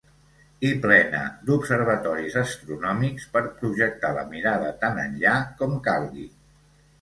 I plena d'observatoris astronòmics per projectar la mirada tan enllà com calgui.